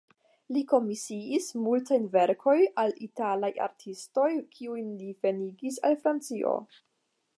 Li komisiis multajn verkojn al italaj artistoj, kiujn li venigis al Francio.